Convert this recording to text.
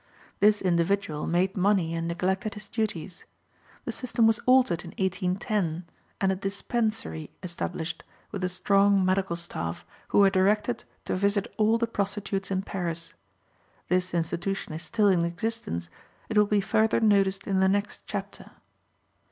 This individual made money and neglected his duties. The system was altered in 1810, and a dispensary established, with a strong medical staff, who were directed to visit all the prostitutes in Paris. This institution is still in existence; it will be further noticed in the next chapter.